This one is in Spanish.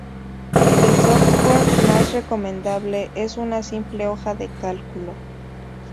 El software mas recomendable es una simple hoja de cálculo.